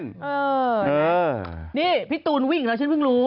นี่พี่ตูนวิ่งแล้วฉันเพิ่งรู้